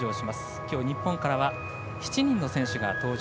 きょう、日本からは７人の選手が登場。